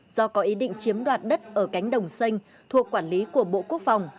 do có ý định chiếm đoạt đất ở cánh đồng xanh thuộc quản lý của bộ quốc phòng